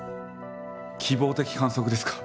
希望的観測ですか。